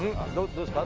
何ですか？